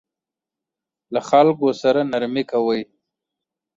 له خلکو سره نرمي کوئ